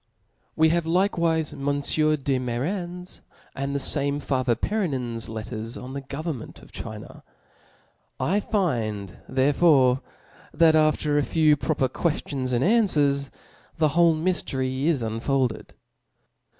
We have likcwife Monfieur de Mairan\ and the fame father Perennin's letters on the govern ment of China. I find therefore that after a few proper qucftions and anfwcrs, the whole myftery is unfolded.